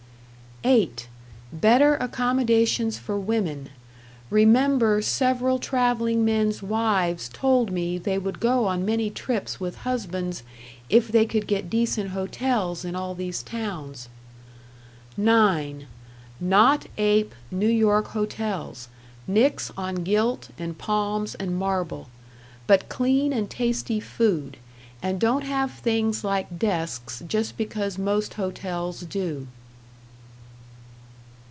"(8) Better accom. for women. Rem. several traveling men's wives told me they would go on many trips w. husbands if they could get decent hotels in all these towns. "(9) Not ape N. Y. hotels. Nix on gilt and palms and marble. But clean and tasty food, and don't have things like desks just because most hotels do."